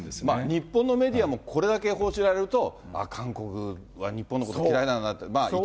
日本のメディアも、これだけ報じられると、あっ、韓国は日本のこと嫌いなんだなって。